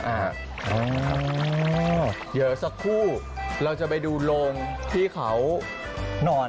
อ่าอออยังเมื่อสักครู่เราจะไปดูโรงที่เขานอน